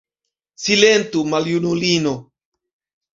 Silentu, maljunulino!